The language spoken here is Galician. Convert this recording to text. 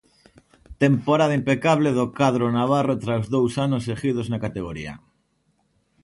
Temporada impecable do cadro navarro tras dous anos seguidos na categoría.